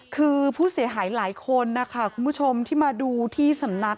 คือผู้เสียหายหลายคนนะคะคุณผู้ชมที่มาดูที่สำนัก